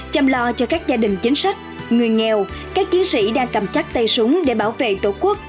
chăm lo cho các gia đình chính sách người nghèo các chiến sĩ đang cầm chắc tay súng để bảo vệ tổ quốc